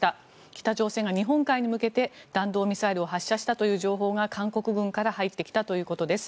北朝鮮が日本海に向けて弾道ミサイルを発射したという情報が韓国軍から入ってきたということです。